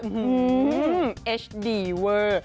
อื้อฮือเอชดีเวอร์